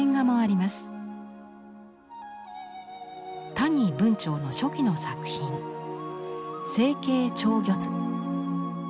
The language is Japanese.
谷文晁の初期の作品「清渓釣魚図」。